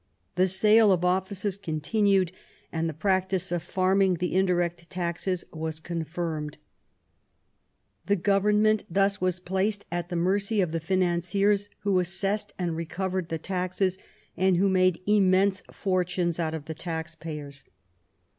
The sale of offices continued, and the practice of farming the indirect taxes was confirmed. The government thus was placed at the mercy of the financiers, who assessed and re covered the taxes, and who made immense fortunes out of the taxpayers.